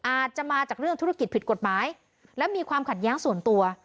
อาจจะมาจากเรื่องธุรกิจผิดกฎหมายและมีความขัดแย้งส่วนตัว